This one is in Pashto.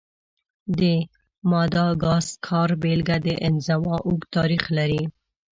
د ماداګاسکار بېلګه د انزوا اوږد تاریخ لري.